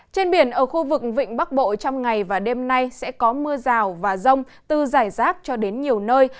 trên biển ở khu vực vịnh bắc bộ trong ngày và đêm nay sẽ có mưa rào và rông từ giải rác cho đến nhiều nơi